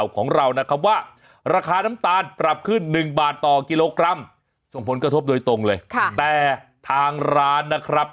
ของเรานะครับว่าราคาน้ำตาลปรับขึ้น๑บาทต่อกิโลกรัมส่งผลกระทบโดยตรงเลยแต่ทางร้านนะครับ